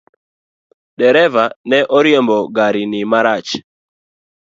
Dereva ne orimbo gari ni marach .